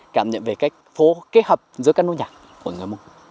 cảm nhận về cách phố kết hợp giữa các nông nhạc của người mông